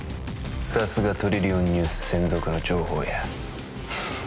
さすがトリリオンニュース専属の情報屋